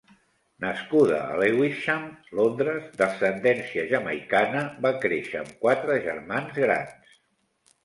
Nascuda a Lewisham (Londres), d'ascendència jamaicana, va créixer amb quatre germans grans.